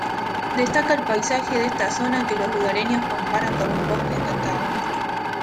Destaca el paisaje de esta zona que los lugareños comparan con un bosque encantado.